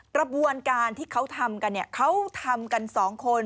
กระบวนการที่เขาทำกันเขาทำกันสองคน